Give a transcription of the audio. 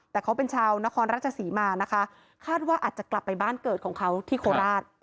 แต่เขาเป็นชาวนครราชศรีมานะคะคาดว่าอาจจะกลับไปบ้านเกิดของเขาที่โคราช